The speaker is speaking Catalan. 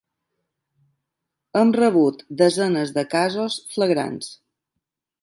Hem rebut desenes de casos flagrants.